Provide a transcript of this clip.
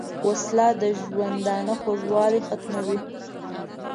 وسله د ژوندانه خوږوالی ختموي